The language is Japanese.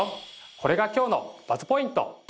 これが今日のＢＵＺＺポイント